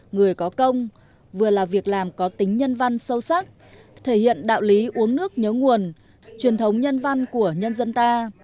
người có công vừa là việc làm có tính nhân văn sâu sắc thể hiện đạo lý uống nước nhớ nguồn truyền thống nhân văn của nhân dân ta